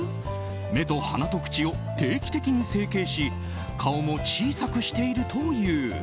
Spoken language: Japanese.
目と鼻と口を定期的に整形し顔も小さくしているという。